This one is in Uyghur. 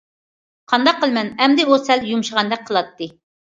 قانداق قىلىمەن ئەمدى،- ئۇ سەل يۇمشىغاندەك قىلاتتى.